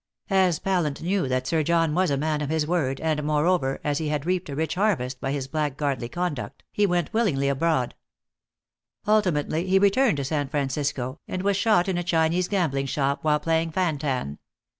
As Pallant knew that Sir John was a man of his word, and, moreover, as he had reaped a rich harvest by his blackguardly conduct, he willingly went abroad. Ultimately he returned to San Francisco, and was shot in a Chinese gambling shop while playing fan tan.